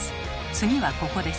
「次はここです」